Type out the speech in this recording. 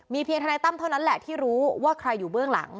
เพียงทนายตั้มเท่านั้นแหละที่รู้ว่าใครอยู่เบื้องหลัง